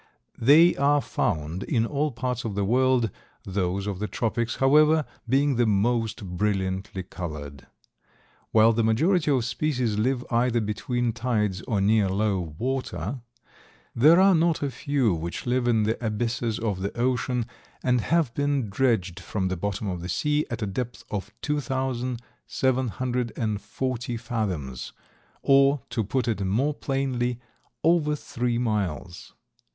They are found in all parts of the world, those of the tropics, however, being the most brilliantly colored. While the majority of species live either between tides or near low water, there are not a few which live in the abysses of the ocean, and have been dredged from the bottom of the sea at a depth of two thousand, seven hundred and forty fathoms, or, to put it more plainly, over three miles.